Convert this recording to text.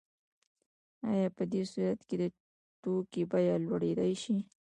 آیا په دې صورت کې د توکي بیه لوړیدای شي؟